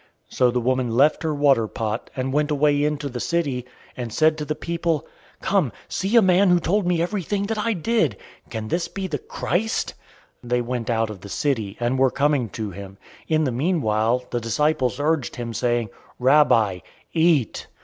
004:028 So the woman left her water pot, and went away into the city, and said to the people, 004:029 "Come, see a man who told me everything that I did. Can this be the Christ?" 004:030 They went out of the city, and were coming to him. 004:031 In the meanwhile, the disciples urged him, saying, "Rabbi, eat."